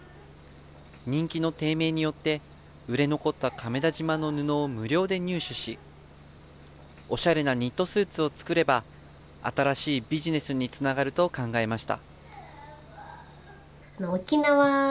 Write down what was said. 人気の低迷によって、売れ残った亀田縞の布を無料で入手し、おしゃれなニットスーツを作れば、新しいビジネスにつながると考えました。